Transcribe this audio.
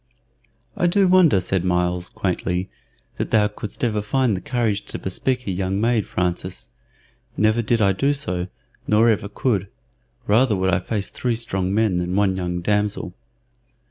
"I do wonder," said Myles, quaintly, "that thou couldst ever find the courage to bespeak a young maid, Francis. Never did I do so, nor ever could. Rather would I face three strong men than one young damsel."